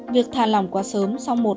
việc thà lòng quá sớm sau một